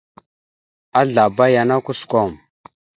Azlaba yana kusəkom.